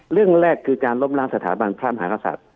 เรื่องแรกคือการล้มล้างสถาบันพระมหากษัตริย์